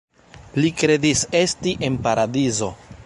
Li kredis esti en paradizo.